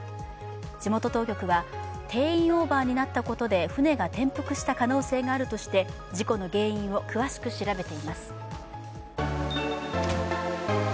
地元当局は、定員オーバーになったことで船が転覆した可能性があるとして事故の原因を詳しく調べています。